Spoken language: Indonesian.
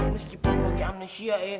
meskipun lo kayak amnesia ya